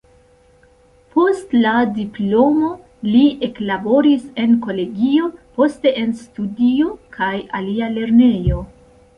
Post la diplomo li eklaboris en kolegio, poste en studio kaj alia lernejo.